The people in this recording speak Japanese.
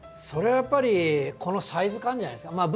それはやっぱりこのサイズ感じゃないですか。